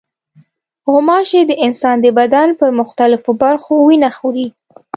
غوماشې د انسان د بدن پر مختلفو برخو وینه خوري.